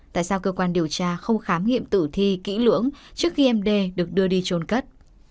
tại sao cơ quan điều tra không khám nghiệm tử thi kỹ lưỡng trước khi em đê được đưa đi trôn cất